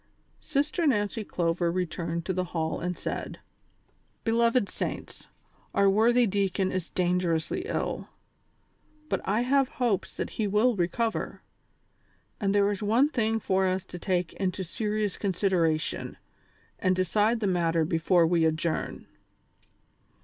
Sister Nancy Clover returned to the hall and said :" Beloved saints, our worthy deacon is dangerously ill, but I have hopes that he will recover ; and there is one thing for us to take into serious consideration, and decide the matter before we adjourn.